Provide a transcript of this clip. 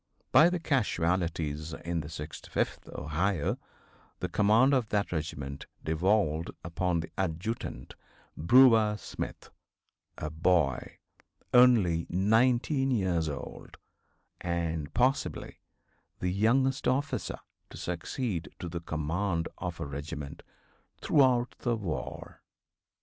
By the casualties in the 65th Ohio the command of that regiment devolved upon the adjutant, Brewer Smith, a boy only 19 years old, and possibly the youngest officer to succeed to the command of a regiment throughout the war.